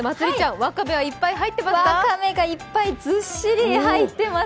わかめがいっぱい、ずっしり入ってます。